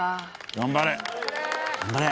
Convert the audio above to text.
頑張れ。